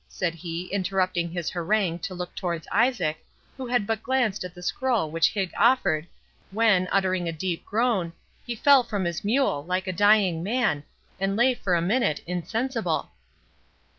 said he, interrupting his harangue to look towards Isaac, who had but glanced at the scroll which Higg offered, when, uttering a deep groan, he fell from his mule like a dying man, and lay for a minute insensible.